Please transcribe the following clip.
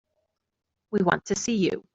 We want to see you.